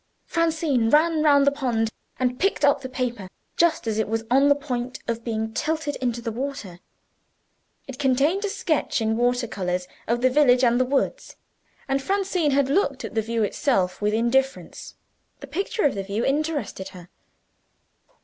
Francine ran round the pond, and picked up the paper just as it was on the point of being tilted into the water. It contained a sketch in water colors of the village and the woods, and Francine had looked at the view itself with indifference the picture of the view interested her.